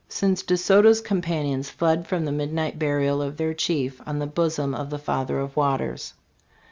] since DeSoto's companions fled from the midnight burial of their chief, on the bosom of the Father of Waters.